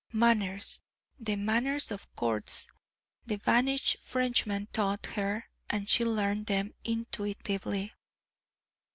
Manners the manners of courts the banished Frenchman taught her, and she learned them intuitively.